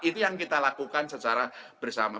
itu yang kita lakukan secara bersama